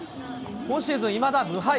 今シーズン、いまだ無敗。